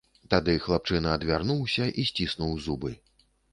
Тады хлапчына адвярнуўся і сціснуў зубы.